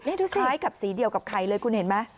ดูซ้ายกับสีเดียวกับไข่เลยคุณเห็นไหม